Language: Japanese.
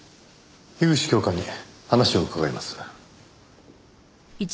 樋口教官に話を伺います。